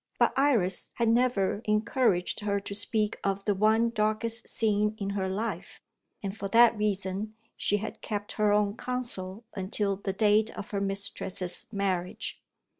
But Iris had never encouraged her to speak of the one darkest scene in her life; and for that reason, she had kept her own counsel until the date of her mistress's marriage.